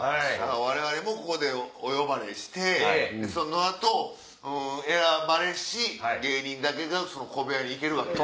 我々もここでお呼ばれしてその後選ばれし芸人だけがその小部屋に行けるわけやな。